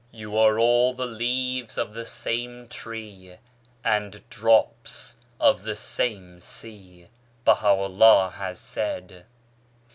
" You are leaves of the same tree, and drops of the same sea," Baha'u'llah has said.